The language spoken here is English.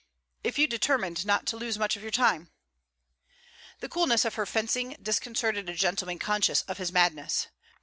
'If you determined not to lose much of your time.' The coolness of her fencing disconcerted a gentleman conscious of his madness.